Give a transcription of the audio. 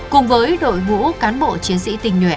cùng với đội ngũ cán bộ chiến sĩ tình nhuệ